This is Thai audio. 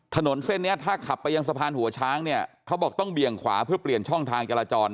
ถนนเส้นนี้ถ้าขับไปยังสะพานหัวช้างเนี่ยเขาบอกต้องเบี่ยงขวาเพื่อเปลี่ยนช่องทางจราจร